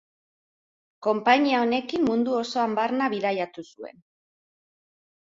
Konpainia honekin mundu osoan barna bidaiatu zuen.